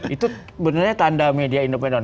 itu benarnya tanda media independen